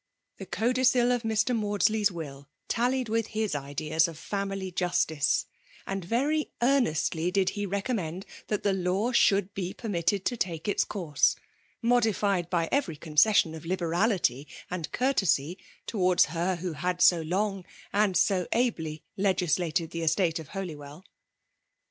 The codicil of Mr. Maudsiey's will tallied with Hb ideas of family justice ; and very earnestly did he reeonnnend that the law should be permitted to take its course, modified by every oonoession of liberality and courtesy towavds her who hwi so long and so ably legislated the estate of Holywell.